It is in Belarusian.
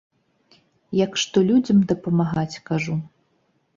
Як што, людзям дапамагаць, кажу.